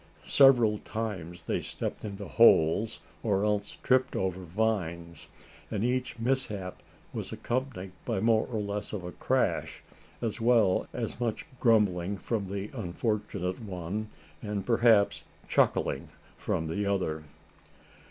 Several times they stepped into holes, or else tripped over vines. And each mishap was accompanied by more or less of a crash, as well as much grumbling from the unfortunate one, and perhaps chuckling from the other.